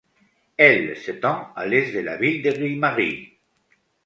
Elle s’étend à l’est de la ville de Grimari.